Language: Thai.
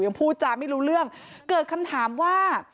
พูดจาไม่รู้เรื่องเกิดคำถามว่า